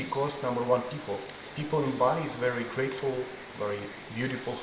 karena pertama orang orang di bali sangat berterima kasih